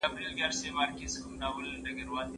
انګریز پوځیان په شاوخوا سیمو کې چمتو وو.